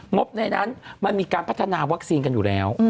บในนั้นมันมีการพัฒนาวัคซีนกันอยู่แล้ว